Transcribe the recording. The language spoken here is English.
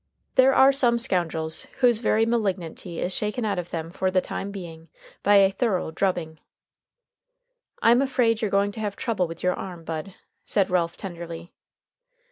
There are some scoundrels whose very malignity is shaken out of them for the time being by a thorough drubbing. "I'm afraid you're going to have trouble with your arm, Bud," said Ralph tenderly.